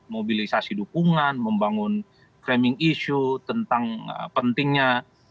mobilisasi dukungan membangun framing issue tentang pentingnya